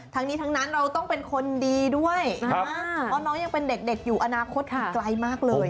ทั้งนี้ทั้งนั้นเราต้องเป็นคนดีด้วยนะเพราะน้องยังเป็นเด็กอยู่อนาคตอยู่ไกลมากเลย